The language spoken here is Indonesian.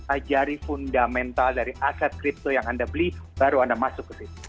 ajari fundamental dari aset kripto yang anda beli baru anda masuk ke situ